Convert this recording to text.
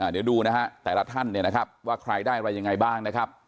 เดี๋ยวดูนะฮะแต่ละท่านเนี่ยนะครับว่าใครได้อะไรยังไงบ้างนะครับ